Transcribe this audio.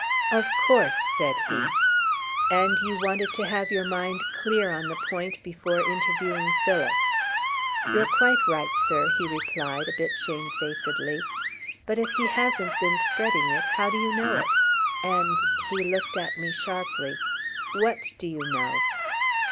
"Of course," said he. "And you wanted to have your mind clear on the point before interviewing Phyllis." "You're quite right, sir," he replied, a bit shamefacedly. "But if he hasn't been spreading it, how do you know? And," he looked at me sharply, "what do you know?"